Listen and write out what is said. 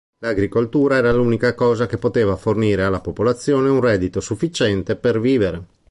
L'agricoltura era l'unica cosa che poteva fornire alla popolazione un reddito sufficiente per vivere.